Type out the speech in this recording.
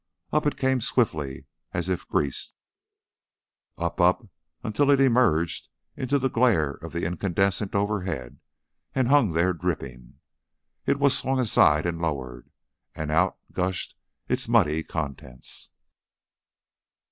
Up it came swiftly, as if greased; up, up, until it emerged into the glare of the incandescent overhead and hung there dripping. It was swung aside and lowered, and out gushed its muddy contents.